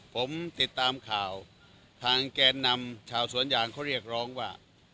ผมติดตามข่าวทางแกนนำชาวสวนยางเขาเรียกร้องว่า